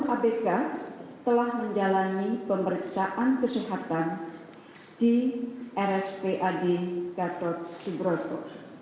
abk telah menjalani pemeriksaan kesehatan di rspad gatot subroto